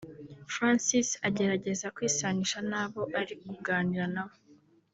Francis agerageza kwisanisha n’abo ari kuganira nabo